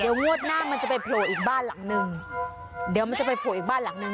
เดี๋ยวงวดหน้ามันจะไปโผล่อีกบ้านหลังนึงเดี๋ยวมันจะไปโผล่อีกบ้านหลังนึง